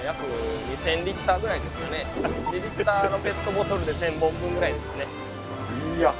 ２のペットボトルで１，０００本分ぐらいですね。